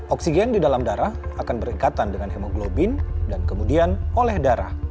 oksigen di dalam darah akan berikatan dengan hemoglobin dan kemudian oleh darah